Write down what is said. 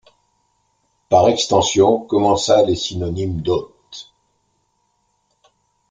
Par extension, commensal est synonyme d'hôte.